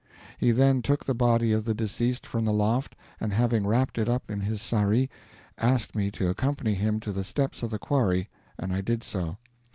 He then took the body of the deceased from the loft, and having wrapped it up in his saree, asked me to accompany him to the steps of the quarry, and I did so.